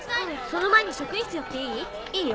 その前に職員室寄っていい？